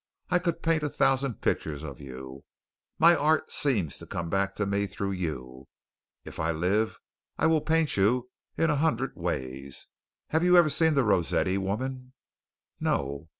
I could paint a thousand pictures of you. My art seems to come back to me through you. If I live I will paint you in a hundred ways. Have you ever seen the Rossetti woman?" "No."